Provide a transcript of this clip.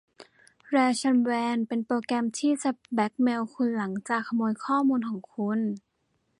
แรนซัมแวร์เป็นโปรแกรมที่จะแบลค์เมล์คุณหลังจากขโมยข้อมูลของคุณ